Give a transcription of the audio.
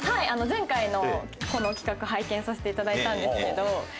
前回のこの企画拝見させていただいたんですけど。